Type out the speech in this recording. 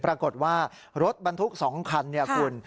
ปรากฏว่ารถบรรทุก๒คันเนี่ยคุณ